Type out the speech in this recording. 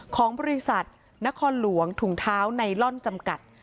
ของบริษัทนครหลวงถุงเท้าไนลอนจำกัด